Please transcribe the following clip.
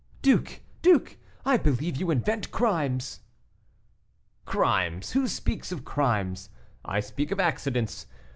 "Duke! duke! I believe you invent crimes." "Crimes! who speaks of crimes? I speak of accidents.